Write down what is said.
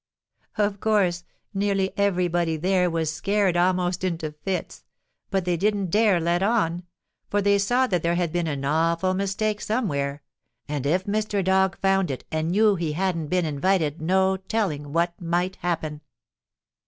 Of course, nearly everybody there was scared almost into fits, but they didn't dare to let on, for they saw that there had been an awful mistake somewhere, and if Mr. Dog found it out and knew he hadn't been invited no telling what might happen.